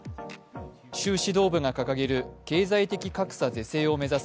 習指導部が掲げる経済的格差是正を目指す